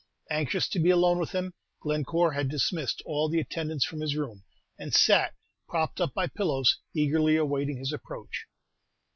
Anxious to be alone with him, Glenoore had dismissed all the attendants from his room, and sat, propped up by pillows, eagerly awaiting his approach.